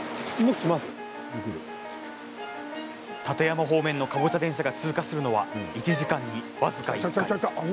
立山方面のかぼちゃ電車が通過するのは１時間に僅か１回。